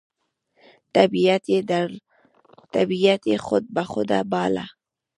طبیعت یې خود بخوده باله،